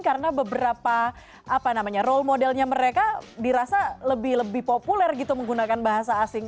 karena beberapa apa namanya role modelnya mereka dirasa lebih lebih populer gitu menggunakan bahasa asing